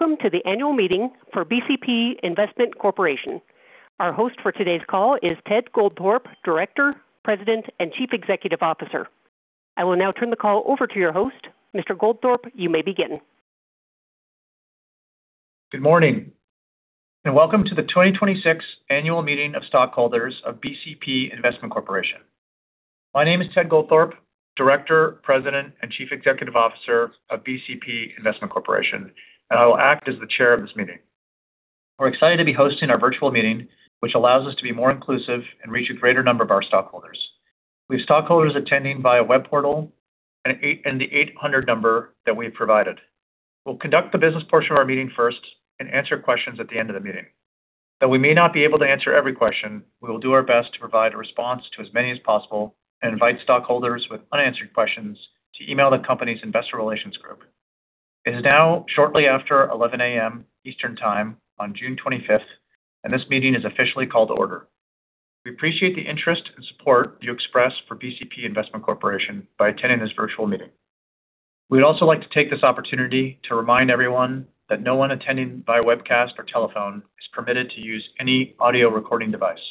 Welcome to the annual meeting for BCP Investment Corporation. Our host for today's call is Ted Goldthorpe, director, president, and chief executive officer. I will now turn the call over to your host. Mr. Goldthorpe, you may begin. Good morning. Welcome to the 2026 annual meeting of stockholders of BCP Investment Corporation. My name is Ted Goldthorpe, Director, President, and Chief Executive Officer of BCP Investment Corporation, and I will act as the chair of this meeting. We're excited to be hosting our virtual meeting, which allows us to be more inclusive and reach a greater number of our stockholders. We have stockholders attending via web portal and the 800 number that we have provided. We'll conduct the business portion of our meeting first and answer questions at the end of the meeting. Though we may not be able to answer every question, we will do our best to provide a response to as many as possible and invite stockholders with unanswered questions to email the company's investor relations group. It is now shortly after 11:00 A.M. Eastern Time on June 25th. This meeting is officially called to order. We appreciate the interest and support you express for BCP Investment Corporation by attending this virtual meeting. We'd also like to take this opportunity to remind everyone that no one attending via webcast or telephone is permitted to use any audio recording device.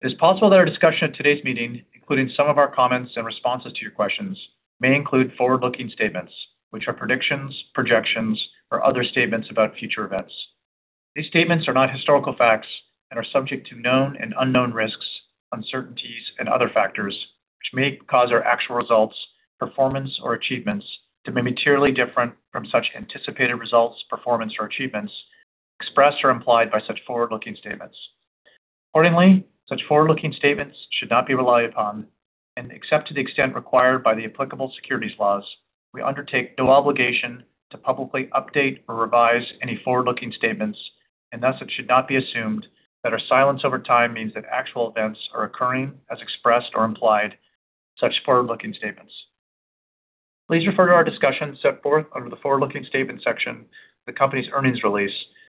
It is possible that our discussion at today's meeting, including some of our comments and responses to your questions, may include forward-looking statements, which are predictions, projections, or other statements about future events. These statements are not historical facts and are subject to known and unknown risks, uncertainties and other factors which may cause our actual results, performance, or achievements to be materially different from such anticipated results, performance or achievements expressed or implied by such forward-looking statements. Accordingly, such forward-looking statements should not be relied upon. Except to the extent required by the applicable securities laws, we undertake no obligation to publicly update or revise any forward-looking statements. Thus it should not be assumed that our silence over time means that actual events are occurring as expressed or implied in such forward-looking statements. Please refer to our discussion set forth under the Forward-Looking Statements section of the company's earnings release,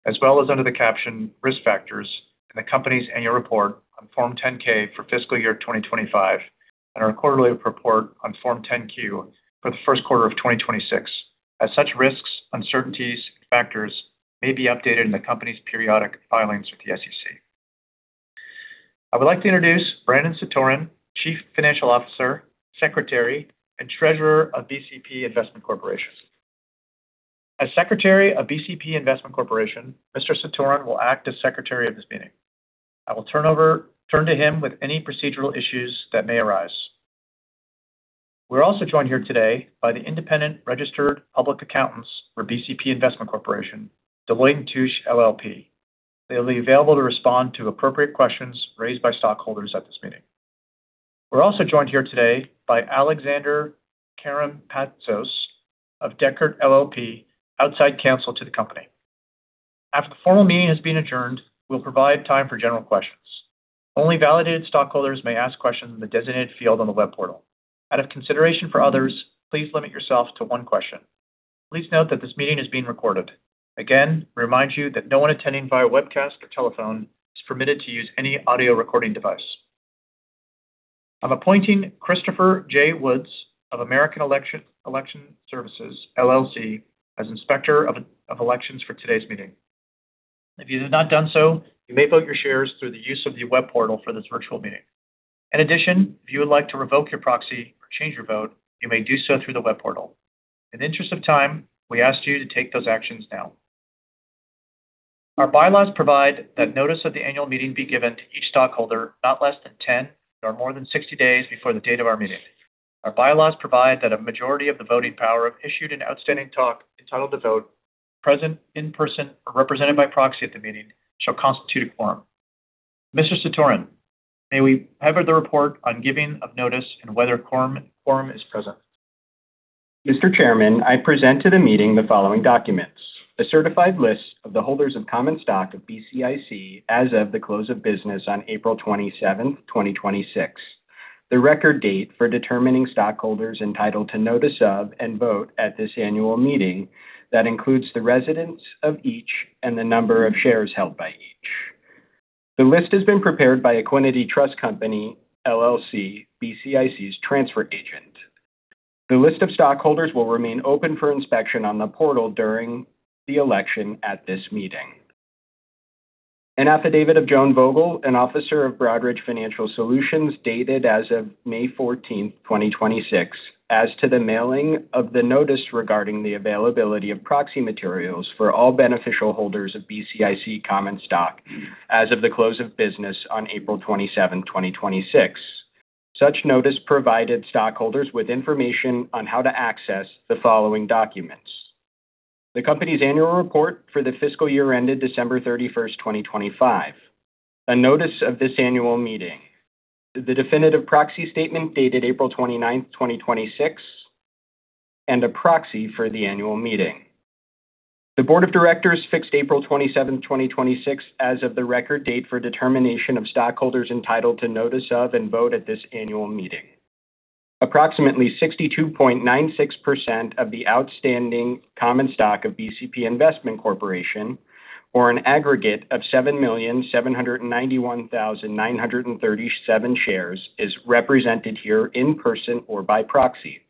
as well as under the caption Risk Factors in the company's annual report on Form 10-K for fiscal year 2025, and our quarterly report on Form 10-Q for the first quarter of 2026, as such risks, uncertainties, and factors may be updated in the company's periodic filings with the SEC. I would like to introduce Brandon Satoren, Chief Financial Officer, Secretary, and Treasurer of BCP Investment Corporation. As Secretary of BCP Investment Corporation, Mr. Satoren will act as secretary of this meeting. I will turn to him with any procedural issues that may arise. We're also joined here today by the independent registered public accountants for BCP Investment Corporation, Deloitte & Touche LLP. They'll be available to respond to appropriate questions raised by stockholders at this meeting. We're also joined here today by Alexander Karampatzos of Dechert LLP, outside counsel to the company. After the formal meeting has been adjourned, we will provide time for general questions. Only validated stockholders may ask questions in the designated field on the web portal. Out of consideration for others, please limit yourself to one question. Please note that this meeting is being recorded. Again, we remind you that no one attending via webcast or telephone is permitted to use any audio recording device. I'm appointing Christopher J. Woods of American Election Services, LLC as Inspector of Elections for today's meeting. If you have not done so, you may vote your shares through the use of the web portal for this virtual meeting. In addition, if you would like to revoke your proxy or change your vote, you may do so through the web portal. In the interest of time, we ask you to take those actions now. Our bylaws provide that notice of the annual meeting be given to each stockholder not less than 10 or more than 60 days before the date of our meeting. Our bylaws provide that a majority of the voting power of issued and outstanding stock entitled to vote, present in person or represented by proxy at the meeting, shall constitute a quorum. Mr. Satoren, may we have the report on giving of notice and whether a quorum is present? Mr. Chairman, I present to the meeting the following documents. A certified list of the holders of common stock of BCIC as of the close of business on April 27th, 2026, the record date for determining stockholders entitled to notice of and vote at this annual meeting that includes the residence of each and the number of shares held by each. The list has been prepared by Equiniti Trust Company, LLC, BCIC's transfer agent. The list of stockholders will remain open for inspection on the portal during the election at this meeting. An affidavit of Joan Vogel, an officer of Broadridge Financial Solutions, dated as of May 14th, 2026, as to the mailing of the notice regarding the availability of proxy materials for all beneficial holders of BCIC common stock as of the close of business on April 27th, 2026. Such notice provided stockholders with information on how to access the following documents: The company's annual report for the fiscal year ended December 31st, 2025, a notice of this annual meeting, the definitive proxy statement dated April 29th, 2026, and a proxy for the annual meeting. The board of directors fixed April 27th, 2026, as of the record date for determination of stockholders entitled to notice of and vote at this annual meeting. Approximately 62.96% of the outstanding common stock of BCP Investment Corporation Or an aggregate of 7,791,937 shares is represented here in person or by proxy.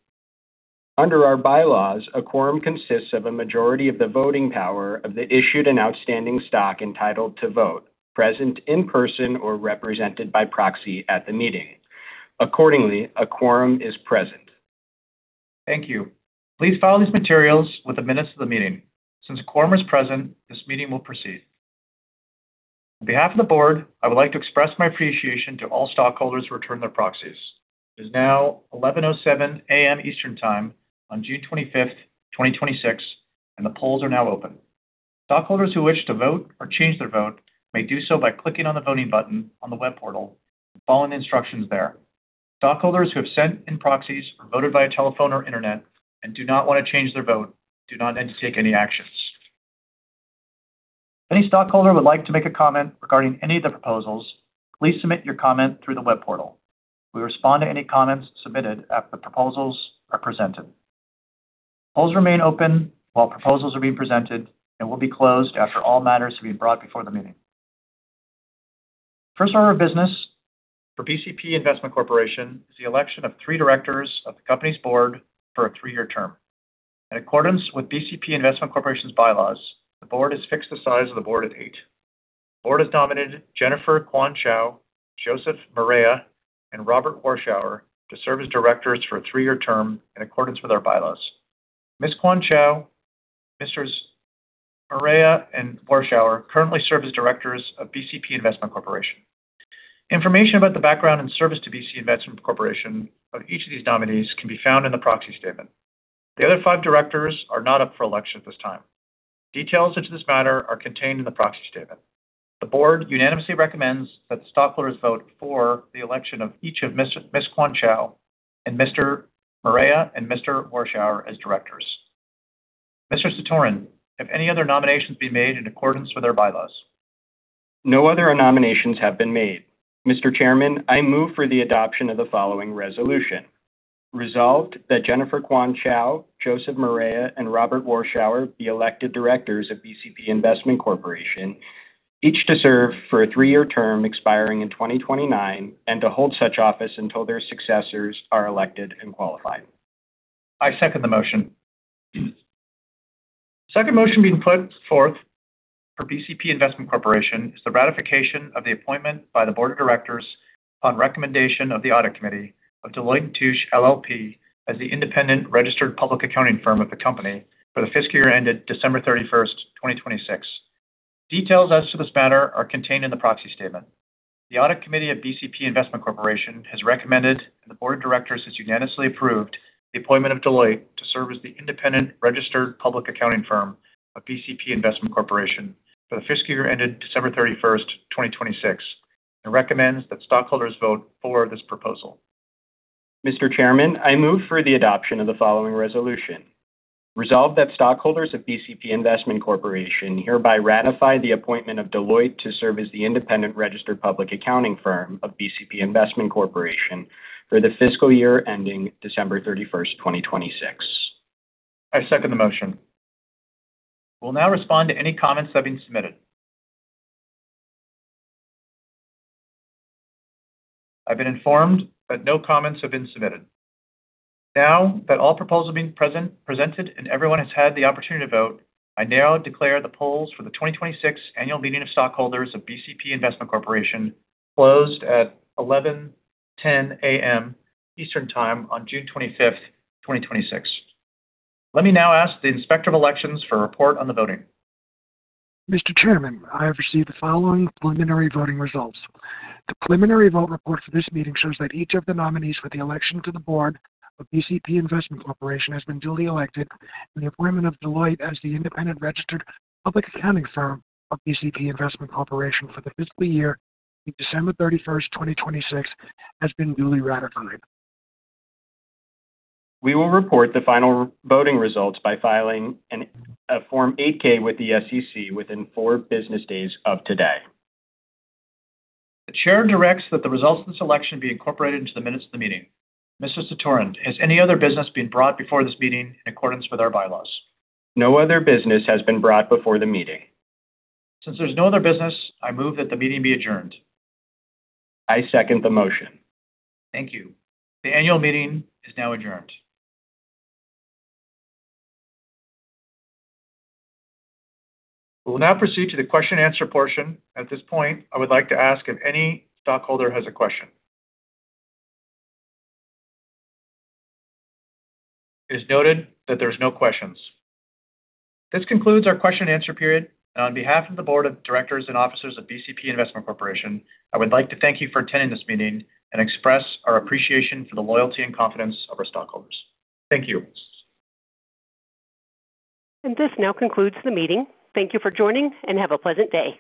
Under our bylaws, a quorum consists of a majority of the voting power of the issued and outstanding stock entitled to vote, present in person or represented by proxy at the meeting. Accordingly, a quorum is present. Thank you. Please file these materials with the minutes of the meeting. Since a quorum is present, this meeting will proceed. On behalf of the board, I would like to express my appreciation to all stockholders who returned their proxies. It is now 11:07 A.M. Eastern Time on June 25th, 2026, and the polls are now open. Stockholders who wish to vote or change their vote may do so by clicking on the voting button on the web portal and following the instructions there. Stockholders who have sent in proxies or voted via telephone or internet and do not want to change their vote do not need to take any actions. If any stockholder would like to make a comment regarding any of the proposals, please submit your comment through the web portal. We respond to any comments submitted after the proposals are presented. Polls remain open while proposals are being presented and will be closed after all matters have been brought before the meeting. First order of business for BCP Investment Corporation is the election of three directors of the company's board for a three-year term. In accordance with BCP Investment Corporation's bylaws, the board has fixed the size of the board at eight. The board has nominated Jennifer Kwon Chou, Joseph Morea, and Robert Warshauer to serve as directors for a three-year term in accordance with our bylaws. Ms. Kwon Chou, Messrs. Morea and Warshauer currently serve as directors of BCP Investment Corporation. Information about the background and service to BCP Investment Corporation of each of these nominees can be found in the proxy statement. The other five directors are not up for election at this time. Details into this matter are contained in the proxy statement. The board unanimously recommends that stockholders vote for the election of each of Ms. Kwon Chou and Mr. Morea and Mr. Warshauer as directors. Mr. Satoren, have any other nominations been made in accordance with our bylaws? No other nominations have been made. Mr. Chairman, I move for the adoption of the following resolution. Resolved that Jennifer Kwon Chou, Joseph Morea, and Robert Warshauer be elected directors of BCP Investment Corporation, each to serve for a three-year term expiring in 2029, and to hold such office until their successors are elected and qualified. I second the motion. Second motion being put forth for BCP Investment Corporation is the ratification of the appointment by the board of directors on recommendation of the audit committee of Deloitte & Touche LLP as the independent registered public accounting firm of the company for the fiscal year ended December 31st, 2026. Details as to this matter are contained in the proxy statement. The audit committee of BCP Investment Corporation has recommended, and the board of directors has unanimously approved the appointment of Deloitte to serve as the independent registered public accounting firm of BCP Investment Corporation for the fiscal year ended December 31st, 2026, and recommends that stockholders vote for this proposal. Mr. Chairman, I move for the adoption of the following resolution. Resolved that stockholders of BCP Investment Corporation hereby ratify the appointment of Deloitte to serve as the independent registered public accounting firm of BCP Investment Corporation for the fiscal year ending December 31st, 2026. I second the motion. We'll now respond to any comments that have been submitted. I've been informed that no comments have been submitted. Now that all proposals are being presented, and everyone has had the opportunity to vote, I now declare the polls for the 2026 annual meeting of stockholders of BCP Investment Corporation closed at 11:10 A.M. Eastern Time on June 25th, 2026. Let me now ask the Inspector of Elections for a report on the voting. Mr. Chairman, I have received the following preliminary voting results. The preliminary vote report for this meeting shows that each of the nominees for the election to the board of BCP Investment Corporation has been duly elected, and the appointment of Deloitte as the independent registered public accounting firm of BCP Investment Corporation for the fiscal year to December 31st, 2026 has been duly ratified. We will report the final voting results by filing a Form 8-K with the SEC within four business days of today. The chair directs that the results of this election be incorporated into the minutes of the meeting. Mr. Satoren, has any other business been brought before this meeting in accordance with our bylaws? No other business has been brought before the meeting. Since there's no other business, I move that the meeting be adjourned. I second the motion. Thank you. The annual meeting is now adjourned. We will now proceed to the question and answer portion. At this point, I would like to ask if any stockholder has a question. It is noted that there's no questions. This concludes our question and answer period, and on behalf of the board of directors and officers of BCP Investment Corporation, I would like to thank you for attending this meeting and express our appreciation for the loyalty and confidence of our stockholders. Thank you. This now concludes the meeting. Thank you for joining, and have a pleasant day.